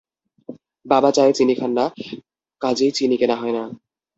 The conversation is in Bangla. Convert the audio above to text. বাবা চায়ে চিনি খান না, কাজেই চিনি কেনা হয় না।